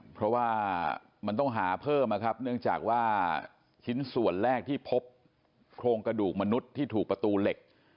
เพราะว่ามันต้องหาเพิ่มนะครับเนื่องจากว่าชิ้นส่วนแรกที่พบโครงกระดูกมนุษย์ที่ถูกประตูเหล็ก